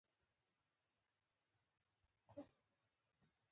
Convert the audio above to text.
خوب د بدو خوږو خوبونو ځای دی